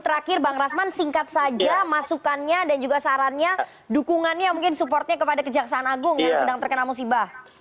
terakhir bang rasman singkat saja masukannya dan juga sarannya dukungannya mungkin supportnya kepada kejaksaan agung yang sedang terkena musibah